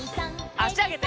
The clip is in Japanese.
あしあげて！